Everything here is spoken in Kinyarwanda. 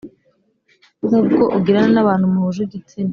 nk ubwo ugirana n abantu muhuje igitsina